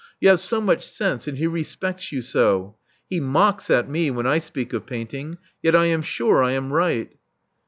You have so much sense; and he respects you so. He mocks at me when I speak of painting: yet I am sure I am right."